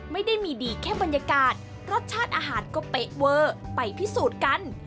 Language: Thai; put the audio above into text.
ไม่ได้มีดีแค่บรรยากาศรสชาติอาหารก็เป๊ะเวอร์ไปพิสูจน์กัน